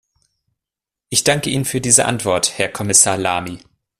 Ich danke Ihnen für diese Antwort, Herr Kommissar Lamy.